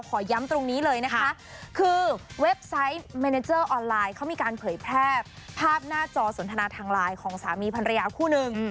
ขอย้ำตรงนี้เลยนะคะคือเว็บไซต์เมเนเจอร์ออนไลน์เขามีการเผยแพร่ภาพหน้าจอสนทนาทางไลน์ของสามีภรรยาคู่หนึ่ง